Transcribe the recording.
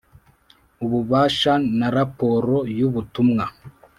ububasha n’raporo y ubutumwa